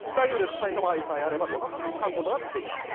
埼玉愛さえあればどなたも買うことができます。